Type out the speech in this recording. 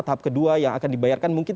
tahap kedua yang akan dibayarkan mungkin